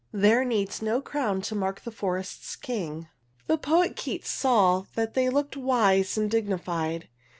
There needs no crown to mark the forest's king. The poet Keats saw that they looked wise and dignified.